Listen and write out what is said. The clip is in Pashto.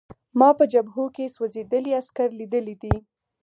ما په جبهو کې سوځېدلي عسکر لیدلي دي